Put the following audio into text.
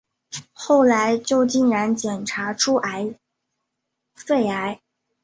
后来就竟然检查出肺癌